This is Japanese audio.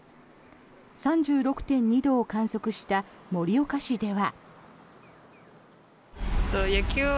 ３６．２度を観測した盛岡市では。